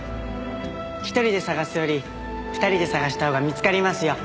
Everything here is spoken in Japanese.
１人で捜すより２人で捜したほうが見つかりますよ。